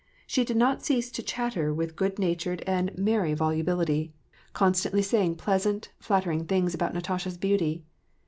She did not cease to pbatter with good nature<i ^d 354 WAR AND PEACE. meriy volubility, constantly saying pleasant, flattering things about Natasha's beauty.